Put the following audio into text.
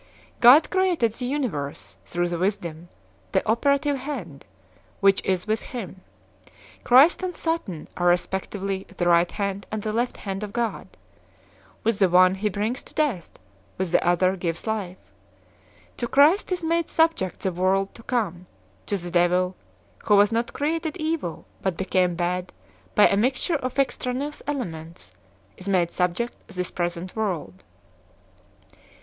God created the universe through the Wisdom, the "operative hand 2 / which is with Him. Christ and Satan are respectively the right hand and the left hand of God; with the one He brings to death, with the other gives life 3 ; to Christ is made subject the world to come ; to the devil who was not created evil, but became bad by a mixture of extraneous elements is made subject this present world.